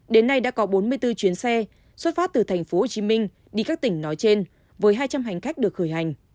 đến nay đã có bốn mươi bốn chuyến xe xuất phát từ tp hcm đi các tỉnh nói trên với hai trăm linh hành khách được khởi hành